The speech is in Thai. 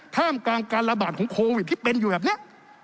ท่ามกลางการระบาดของโควิดที่เป็นอยู่แบบนี้